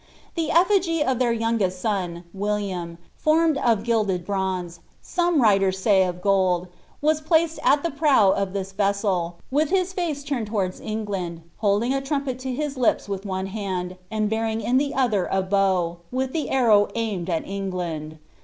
The effigy of their youngest son (William), formed of gilded bronze, some writers say of ipld, was placed at the prow of this vessel, with his hce turned towards England, holding a trumpet to his lips with one hand, and bearing in iie other a bow, with the arrow aimed at England.'